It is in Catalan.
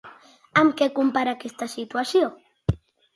Amb què compara aquesta situació?